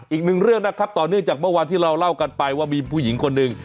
อีกหนึ่งเรื่องนะครับต่อเนื่องจากเมื่อวานที่เราเล่ากันไปว่ามีผู้หญิงคนหนึ่ง